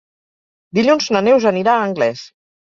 Dilluns na Neus anirà a Anglès.